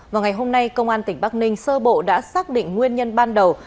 vào ngày hôm nay công an tỉnh bắc ninh sơ bộ đã xác định nguyên nhân ban đầu